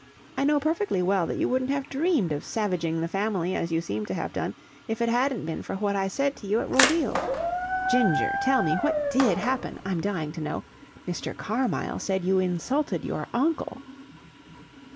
I know perfectly well that you wouldn't have dreamed of savaging the Family as you seem to have done if it hadn't been for what I said to you at Roville. Ginger, tell me, what did happen? I'm dying to know. Mr. Carmyle said you insulted your uncle!"